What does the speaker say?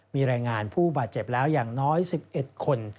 มีรายงานผู้บาดเจ็บแล้วอย่างน้อย๑๑คน